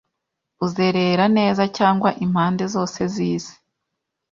uzerera neza Cyangwa impande zose zisi